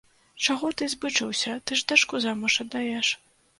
Чаго ты збычыўся, ты ж дачку замуж аддаеш.